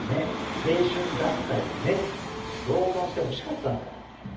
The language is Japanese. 青春だったよねって共感してほしかったんだよ。